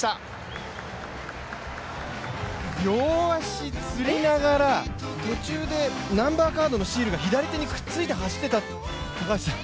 両足つりながら、途中でナンバーカードのシールが左手にくっついて走ってた、高橋さん。